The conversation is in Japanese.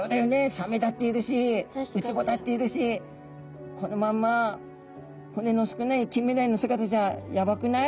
サメだっているしウツボだっているしこのまんま骨の少ないキンメダイの姿じゃやばくない？」